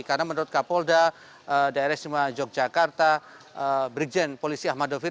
karena menurut kapolda daerah sima yogyakarta brigjen polisi ahmad dhafiri